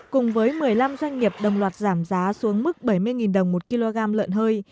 cùng với một mươi năm doanh nghiệp đồng loạt giảm giá xuống mức bảy mươi đồng một kg lợn hơi